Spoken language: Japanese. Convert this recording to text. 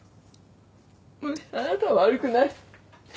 あなたは悪くない。